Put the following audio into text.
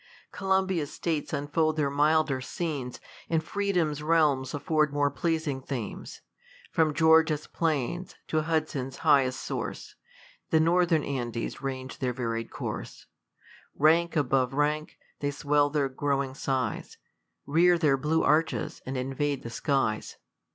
Columbia's States unfold their milder scenes, And freedom's realms afford more pleasing themes. From Georgia's plains, to Hudson's highest source.^ The northern Andes range their varied course : Rank above rank, they swell their growing size> Rear their blue arches, and invade the skies.